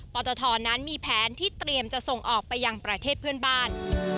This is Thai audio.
ตทนั้นมีแผนที่เตรียมจะส่งออกไปยังประเทศเพื่อนบ้าน